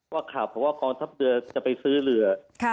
ว่าข่าวพวกกองทัพเดือจะไปซื้อเหลือ